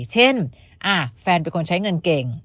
เช่นแฟนเป็นคนใช้เงินเก่ง